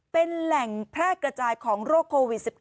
เป็นแหล่งแพร่กระจายของโรคโควิด๑๙